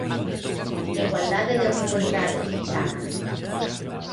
Igualdade de oportunidades lle chaman.